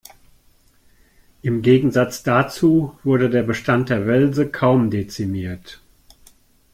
Im Gegensatz dazu wurde der Bestand der Welse kaum dezimiert.